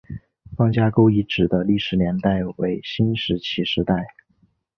方家沟遗址的历史年代为新石器时代。